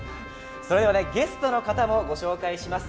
それではねゲストの方もご紹介します。